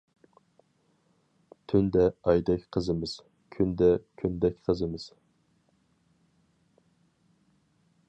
تۈندە ئايدەك قىزىمىز، كۈندە كۈندەك قىزىمىز.